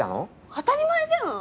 当たり前じゃん！